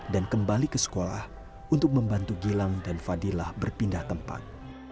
dan kembali ke sekolah untuk membantu gilang dan fadilah berpindah tempat